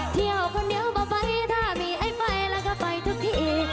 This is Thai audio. เที่ยวคนเดียวบ่ถ้ามีให้ไปแล้วก็ไปทุกที่